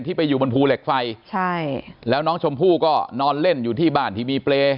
ไปอยู่บนภูเหล็กไฟใช่แล้วน้องชมพู่ก็นอนเล่นอยู่ที่บ้านที่มีเปรย์